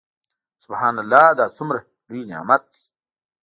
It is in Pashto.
سبحان الله دا څومره لوى نعمت دى.